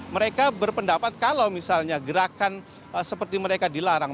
mereka berpendapat kalau misalnya gerakan seperti mereka dilarang